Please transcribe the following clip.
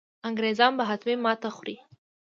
انګرېزان به حتمي ماته خوري.